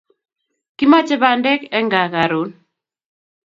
Kimache bandek en kaa karon